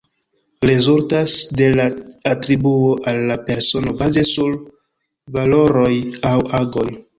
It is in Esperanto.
Rezultas de la atribuo al la persono baze sur valoroj aŭ agoj.